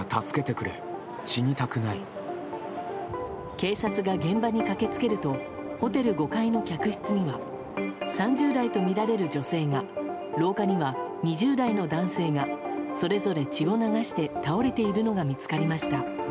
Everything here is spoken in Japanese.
警察が現場に駆け付けるとホテル５階の客室には３０代とみられる女性が廊下には２０代の男性がそれぞれ血を流して倒れているのが見つかりました。